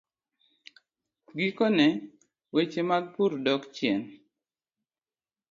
Gikone, weche mag pur dok chien.